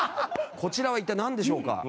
こちらは一体なんでしょうか？